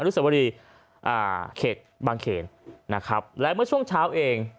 อรุณสมมติอ่านเขตบางเขตนะครับและเมื่อช่วงเช้าเอง